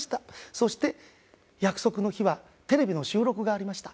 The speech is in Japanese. そして約束の日はテレビの収録がありました。